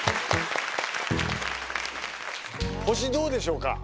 星どうでしょうか？